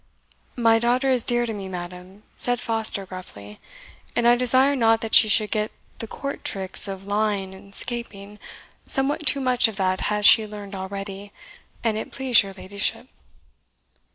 "My daughter is dear to me, madam," said Foster gruffly; "and I desire not that she should get the court tricks of lying and 'scaping somewhat too much of that has she learned already, an it please your ladyship."